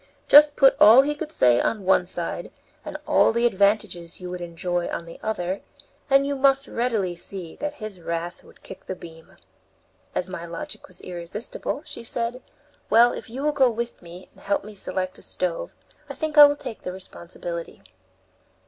Just put all he could say on one side, and all the advantages you would enjoy on the other, and you must readily see that his wrath would kick the beam." As my logic was irresistible, she said, "Well, if you will go with me, and help select a stove, I think I will take the responsibility."